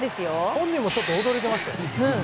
本人もちょっと驚いてましたよ。